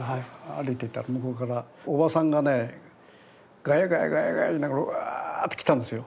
歩いてたら向こうからおばさんがねガヤガヤガヤガヤ言いながらワーッて来たんですよ。